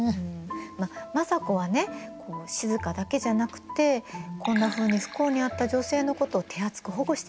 まあ政子はね静だけじゃなくてこんなふうに不幸にあった女性のことを手厚く保護してたの。